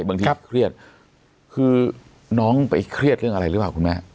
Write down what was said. บางทีเครียดคือน้องไปเครียดเรื่องอะไรหรือเปล่าคุณแม่